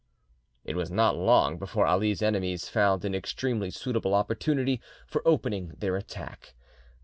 It was not long before Ali's enemies found an extremely suitable opportunity for opening their attack.